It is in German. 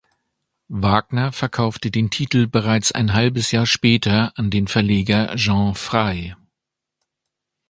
Wagner verkaufte den Titel bereits ein halbes Jahr später an den Verleger Jean Frey.